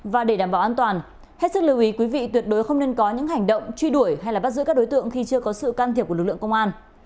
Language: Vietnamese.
và để đảm bảo an toàn hết sức lưu ý quý vị tuyệt đối không nên có những hành động truy đuổi hay bắt giữ các đối tượng khi chưa có sự can thiệp của lực lượng công an